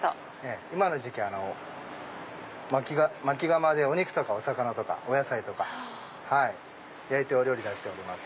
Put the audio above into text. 今の時期薪窯でお肉とかお魚とかお野菜とか焼いてお料理出しております。